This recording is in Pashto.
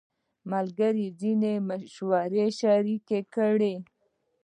ملګرو ځینې مشورې شریکې کړې.